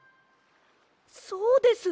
そうです。